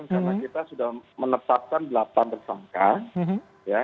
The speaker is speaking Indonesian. karena kita sudah menetapkan delapan tersangka